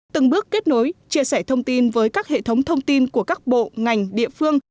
từng bước kết nối chia sẻ thông tin với các hệ thống thông tin của các bộ ngành địa phương